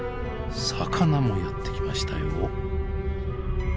魚もやって来ましたよ。